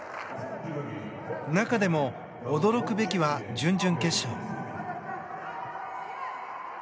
中でも、驚くべきは準々決勝。